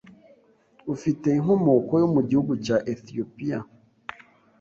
ufite inkomoko yo mugihugu cya Ethiopia,